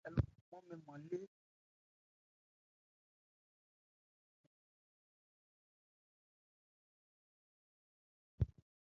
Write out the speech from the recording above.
Alɔ kranman Yayó lée mɛ́n nman bha áphɔ̂tɛ́si.